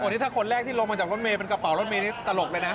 นี่ถ้าคนแรกที่ลงมาจากรถเมย์เป็นกระเป๋ารถเมย์นี่ตลกเลยนะ